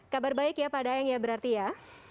kabar baik ya pak daeng ya berarti ya